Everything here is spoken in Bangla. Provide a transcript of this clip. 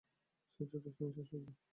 সে ছোট্ট একটা নিঃশ্বাস ফেলল।